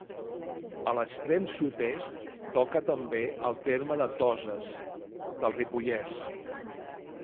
A l'extrem sud-est toca també el terme de Toses, del Ripollès.